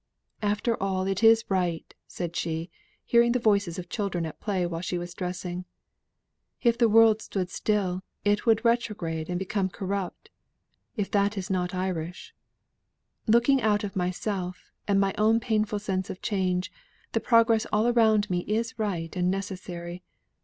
"After all it is right," said she, hearing the voices of children at play while she was dressing. "If the world stood still, it would retrograde and become corrupt, if that is not Irish. Looking out of myself and my own painful sense of change, the progress of all around me is right and necessary.